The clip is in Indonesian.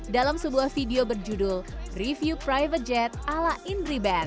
dalam sebuah video berjudul review private jet ala indri band